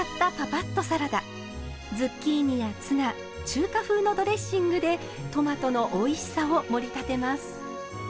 ズッキーニやツナ中華風のドレッシングでトマトのおいしさをもり立てます。